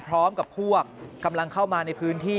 พร้อมกับพวกกำลังเข้ามาในพื้นที่